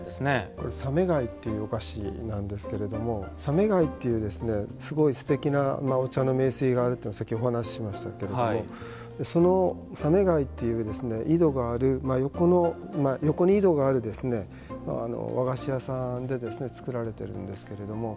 これは「醒ヶ井」というお菓子なんですけれども醒ヶ井というすごいすてきなお茶の名水があると先ほどお話ししましたけれどもその醒ヶ井という井戸がある横の横に井戸がある和菓子屋さんで作られているんですけれども。